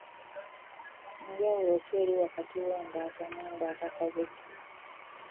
Njawulo ki eri wakati w'embaata n'embaatakabuzi?